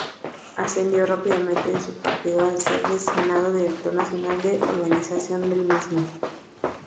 Ascendió rápidamente en su partido al ser designado Director Nacional de Organización del mismo.